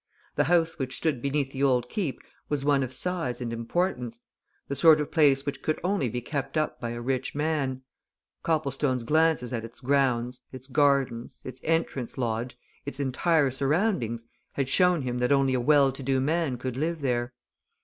The house which stood beneath the old Keep was one of size and importance, the sort of place which could only be kept up by a rich man Copplestone's glances at its grounds, its gardens, its entrance lodge, its entire surroundings had shown him that only a well to do man could live there.